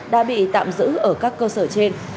đã bị tạm giữ ở các cơ sở trên